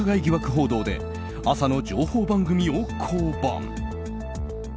報道で朝の情報番組を降板。